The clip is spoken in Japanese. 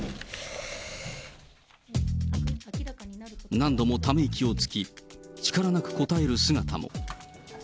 何度もため息をつき、力なく答える姿も。